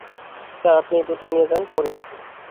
Sir, আপনি এই বইটা নিয়ে যান, পড়ে দেখুন।